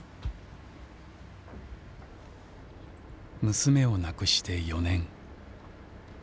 娘を亡くして４年。